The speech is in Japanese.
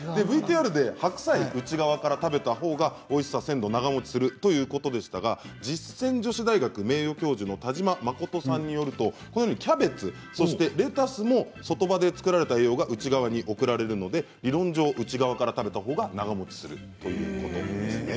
ＶＴＲで白菜、内側から食べたほうがおいしさや鮮度が長もちするということでしたが実践女子大学名誉教授の田島眞さんによるとキャベツやレタスも外葉で作られた栄養が内側に送られるので理論上内側から食べたほうが長もちするということです。